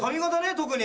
特に。